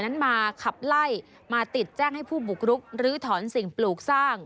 นั้นมาขับไล่มาติดแจ้งให้ผู้บุกรุกลื้อถอนสิ่งปลูกสร้าง